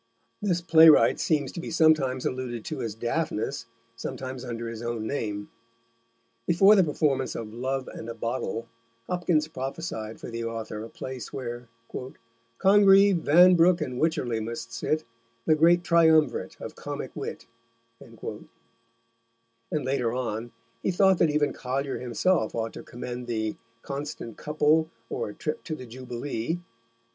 This playwright seems to be sometimes alluded to as Daphnis, sometimes under his own name. Before the performance of Love and a Bottle, Hopkins prophesied for the author a place where Congreve, Vanbrook, and Wicherley must sit, The great Triumvirate of Comick Wit, and later on he thought that even Collier himself ought to commend the Constant Couple, or A Trip to the Jubilee.